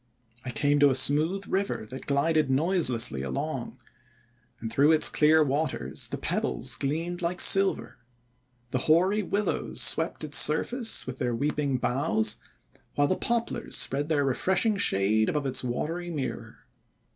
I came to a smooth river that glided noiselessly along, and through its clear waters the pebbles gleamed like silver. The hoary Willows swept its surface with their weeping boughs, while the Poplars spread their refreshing shade above its watery mirror.